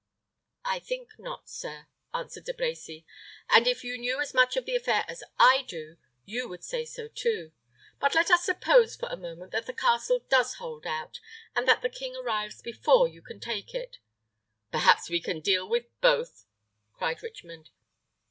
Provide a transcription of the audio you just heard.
"I think not, sir," answered De Brecy; "and if you knew as much of the affair as I do, you would say so too. But let us suppose for a moment that the castle does hold out, and that the king arrives before you can take it " "Perhaps we can deal with both," cried Richmond.